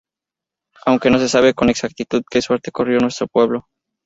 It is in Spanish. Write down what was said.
Aunque no se sabe con exactitud, que suerte corrió nuestro pueblo.